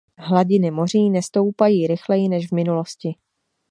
Hladiny moří nestoupají rychleji než v minulosti.